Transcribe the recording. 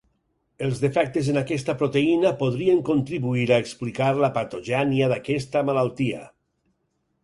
Els defectes en aquesta proteïna podrien contribuir a explicar la patogènia d'aquesta malaltia.